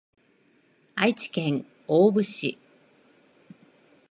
愛知県大府市